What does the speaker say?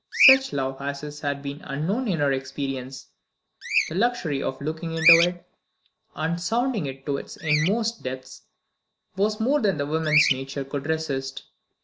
Such love as his had been unknown in her experience; the luxury of looking into it, and sounding it to its inmost depths, was more than the woman's nature could resist.